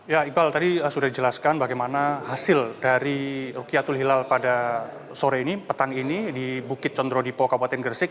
ya iqbal tadi sudah dijelaskan bagaimana hasil dari rukiatul hilal pada sore ini petang ini di bukit condro dipo kabupaten gresik